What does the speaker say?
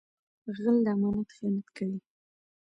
غل د امانت خیانت کوي